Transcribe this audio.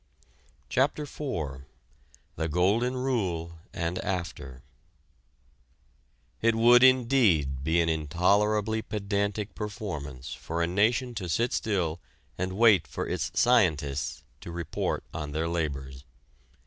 CHAPTER IV THE GOLDEN RULE AND AFTER It would indeed be an intolerably pedantic performance for a nation to sit still and wait for its scientists to report on their labors.